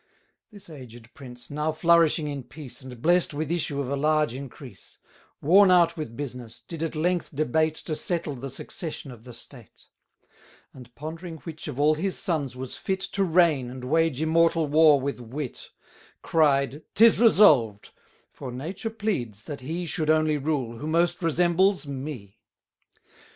This aged prince, now flourishing in peace, And blest with issue of a large increase; Worn out with business, did at length debate To settle the succession of the state: 10 And, pondering which of all his sons was fit To reign, and wage immortal war with wit, Cried, 'Tis resolved; for nature pleads, that he Should only rule, who most resembles me.